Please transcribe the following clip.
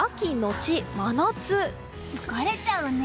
疲れちゃうね。